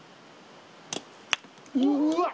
うわっ